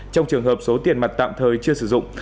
trong trường hợp số tiền mặt tạm thời chưa sử dụng